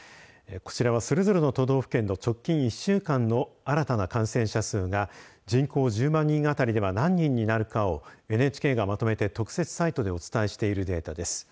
こちらは、それぞの都道府県の直近１週間の新たな感染者数が人口１０万人あたりでは何人になるかをＮＨＫがまとめて特設サイトでお伝えしているデータです。